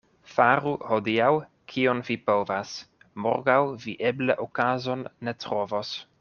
Faru hodiaŭ, kion vi povas — morgaŭ vi eble okazon ne trovos.